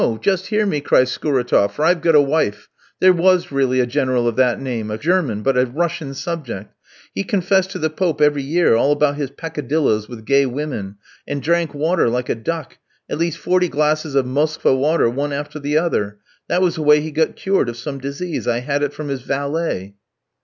Just hear me," cries Skouratoff, "for I've got a wife. There was really a General of that name, a German, but a Russian subject. He confessed to the Pope, every year, all about his peccadilloes with gay women, and drank water like a duck, at least forty glasses of Moskva water one after the other; that was the way he got cured of some disease. I had it from his valet."